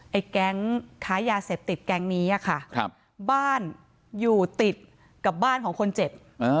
แก๊งค้ายาเสพติดแก๊งนี้ค่ะบ้านอยู่ติดกับบ้านของคนเจ็บ